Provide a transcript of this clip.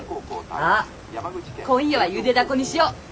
あっ今夜はゆでだこにしよ。